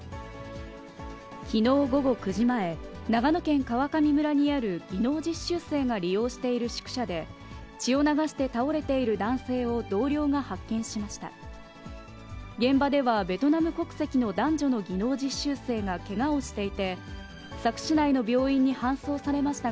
きのう午後９時前、長野県川上村にある技能実習生が利用している宿舎で、血を流して倒れている男性を同僚が発見しました。